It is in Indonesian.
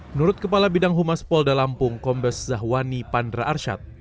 menurut kepala bidang humas polda lampung kombes zahwani pandra arsyad